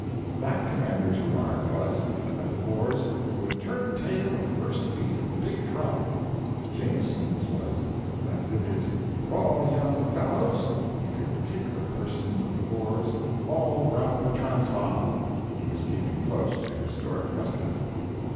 That Commander's remark was, that the Boers "would turn tail at the first beat of the big drum." Jameson's was, that with his "raw young fellows" he could kick the (persons) of the Boers "all round the Transvaal." He was keeping close to historic precedent.